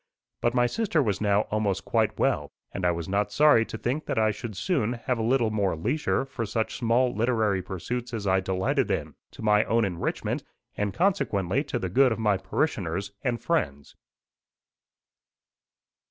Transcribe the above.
But my sister was now almost quite well, and I was not sorry to think that I should soon have a little more leisure for such small literary pursuits as I delighted in to my own enrichment, and consequently to the good of my parishioners and friends.